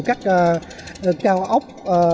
các cao ốc